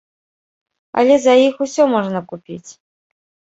Але за іх усё можна купіць.